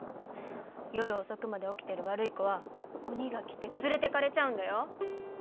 夜遅くまで起きてる悪い子は鬼が来て連れていかれちゃうんだよ。